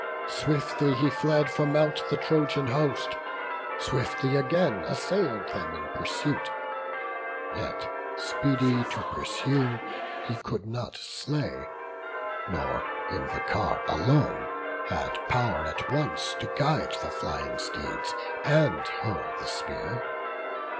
Swiftly he fled from out the Trojan host; Swiftly again assail'd them in pursuit; Yet, speedy to pursue, he could not slay; Nor, in the car alone, had pow'r at once To guide the flying steeds, and hurl the spear.